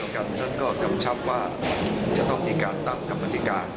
กันก็นำชับว่าจะต้องมีการตั้งนำบอตรีการ